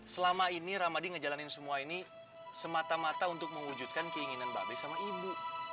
selama ini ramadi ngejalanin semua ini semata mata untuk mewujudkan keinginan mbak abe sama ibu